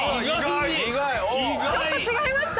ちょっと違いました？